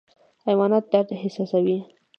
حیوانات درد احساسوي